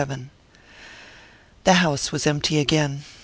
XXVII THE house was empty again.